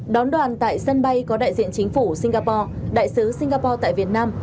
đón đoàn tại sân bay có đại diện chính phủ singapore đại sứ singapore tại việt nam